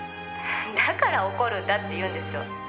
「だから怒るんだって言うんですよ」